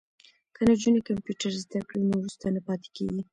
که نجونې کمپیوټر زده کړی نو وروسته نه پاتې کیږي.